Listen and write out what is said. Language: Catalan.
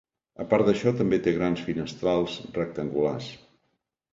A part d'això també té grans finestrals rectangulars.